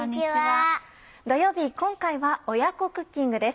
土曜日今回は親子クッキングです。